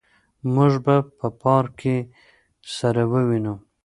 موږ به په پارک کي سره ووينو.